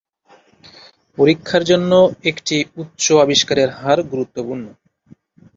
পরীক্ষার জন্য একটি উচ্চ আবিষ্কারের হার গুরুত্বপূর্ণ।